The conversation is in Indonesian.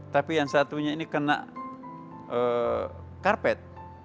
tapi yang satunya ini kena karpet